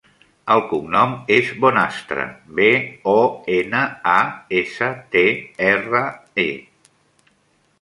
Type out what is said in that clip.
El cognom és Bonastre: be, o, ena, a, essa, te, erra, e.